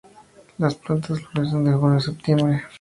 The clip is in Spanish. Las plantas florecen de junio a septiembre.